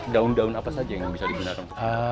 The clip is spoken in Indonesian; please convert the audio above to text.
daun daun apa saja yang bisa digunakan